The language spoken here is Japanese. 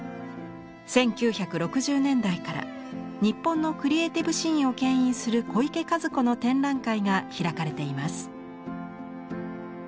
１９６０年代から日本のクリエイティブシーンをけん引する小池一子の展覧会が開かれています。